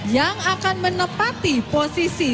yang akan menepati posisi